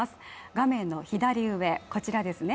画面の左上、こちらですね